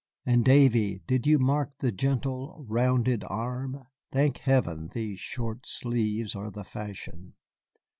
And Davy, did you mark the gentle, rounded arm? Thank heaven these short sleeves are the fashion."